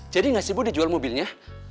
jadi gak sih bu dijual mobilnya